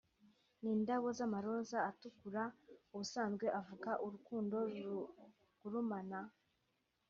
n’indabo z’amaroza atukura ubusanzwe avuga urukundo rugurumana